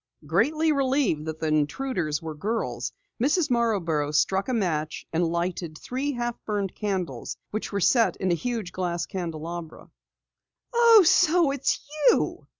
Greatly relieved that the intruders were girls, Mrs. Marborough struck a match and lighted three half burned candles which were set in a huge glass candelabra. "Oh, so it's you!"